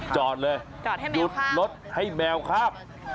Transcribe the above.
จอดเลยจอดให้แมวครับหยุดรถให้แมวครับ